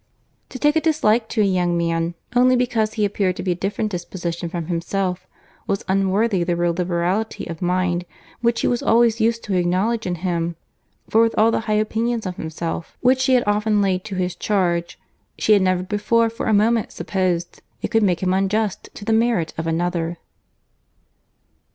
To take a dislike to a young man, only because he appeared to be of a different disposition from himself, was unworthy the real liberality of mind which she was always used to acknowledge in him; for with all the high opinion of himself, which she had often laid to his charge, she had never before for a moment supposed it could make him unjust to the merit of another.